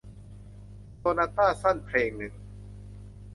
โซนาต้าสั้นเพลงหนึ่ง